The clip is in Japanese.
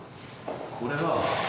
これは。